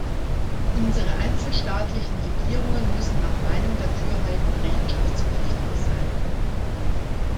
Unsere einzelstaatlichen Regierungen müssen nach meinem Dafürhalten rechenschaftspflichtig sein.